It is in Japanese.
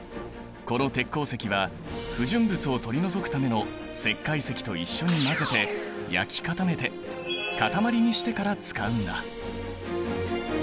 この鉄鉱石は不純物を取り除くための石灰石と一緒に混ぜて焼き固めて塊にしてから使うんだ。